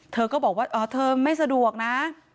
เธอก็บอกว่าเธอไม่สะดวกนะ